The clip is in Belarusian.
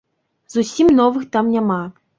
Зусім новых там няма.